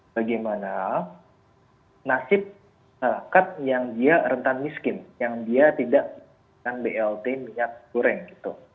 bagaimana nasib masyarakat yang dia rentan miskin yang dia tidak menggunakan blt minyak goreng gitu